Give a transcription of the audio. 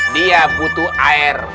dia butuh air